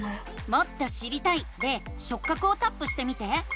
「もっと知りたい」で「しょっ角」をタップしてみて。